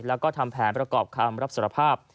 แล้วก็ทำแผนประกอบคำรับสารภาพ